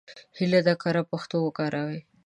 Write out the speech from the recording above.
هیله ده کره پښتو وکاروئ.